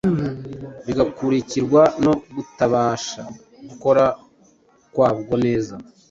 bigakurikirwa no kutabasha gukora kwabwo neza.